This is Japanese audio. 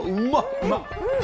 うまっ。